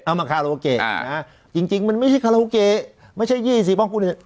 เอามาคาราโอเกะจริงมันไม่ใช่คาราโอเกะไม่ใช่ยี่สิพวกคุณ